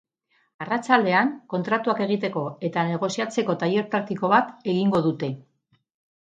Arratsaldean, kontratuak egiteko eta negoziatzeko tailer praktiko bat egingo dute.